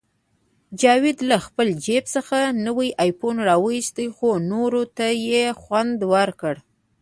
جاوید له خپل جیب څخه نوی آیفون راوویست، خو نورو ته یې خوند ورنکړ